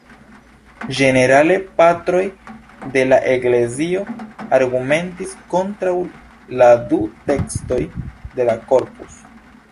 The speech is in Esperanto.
Ĝenerale Patroj de la Eklezio argumentis kontraŭ la du tekstoj de la Corpus.